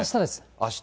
あした？